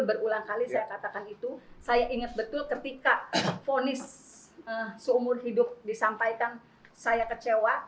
berulang kali saya katakan itu saya ingat betul ketika fonis seumur hidup disampaikan saya kecewa